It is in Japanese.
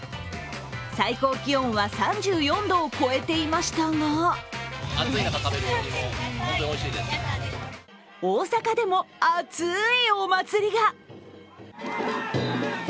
最高気温は３４度を超えていましたが大阪でも熱いお祭りが。